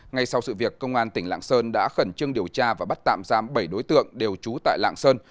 ngay sau sự việc công an tỉnh lạng sơn đã khẩn trương điều tra và bắt tạm giam bảy đối tượng đều trú tại lạng sơn